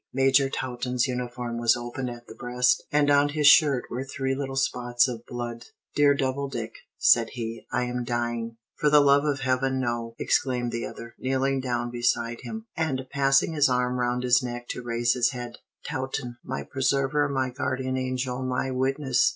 Major Taunton's uniform was opened at the breast, and on his shirt were three little spots of blood. "Dear Doubledick," said he, "I am dying." "For the love of Heaven, no!" exclaimed the other, kneeling down beside him, and passing his arm round his neck to raise his head. "Taunton! My preserver, my guardian angel, my witness!